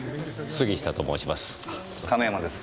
杉下と申します。